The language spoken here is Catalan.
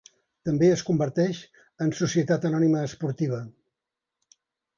També es converteix en Societat Anònima Esportiva.